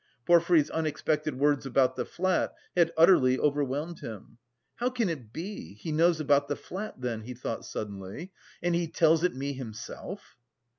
Porfiry's unexpected words about the flat had utterly overwhelmed him. "How can it be, he knows about the flat then," he thought suddenly, "and he tells it me himself!"